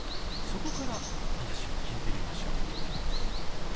そこから話を聞いてみましょう。